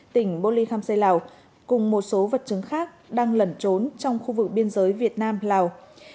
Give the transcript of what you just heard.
tỉnh bô ly khăm xây lào cùng một số vật chứng khác đang lẩn trốn trong khu vực biên giới việt nam lào